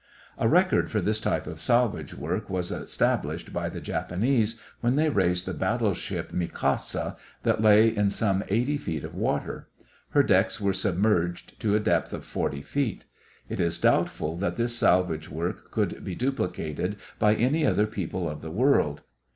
A record for this type of salvage work was established by the Japanese when they raised the battle ship Mikasa that lay in some eighty feet of water. Her decks were submerged to a depth of forty feet. It is doubtful that this salvage work could be duplicated by any other people of the world.